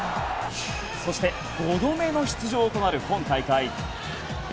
そして５度目の出場となる今大会。